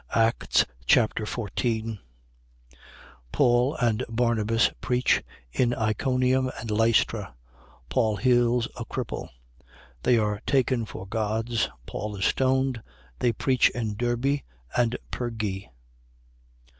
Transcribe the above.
Acts Chapter 14 Paul and Barnabas preach in Iconium and Lystra. Paul heals a cripple. They are taken for gods. Paul is stoned. They preach in Derbe and Perge.